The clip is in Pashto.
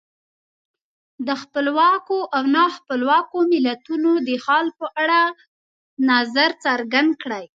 د خپلواکو او نا خپلواکو ملتونو د حال په اړه نظر څرګند کړئ.